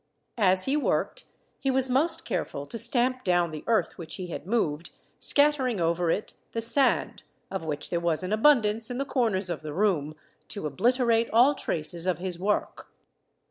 As he worked, he was most careful to stamp down the earth which he had moved, scattering over it the sand, of which there was an abundance in the corners of the room, to obliterate all traces of his work.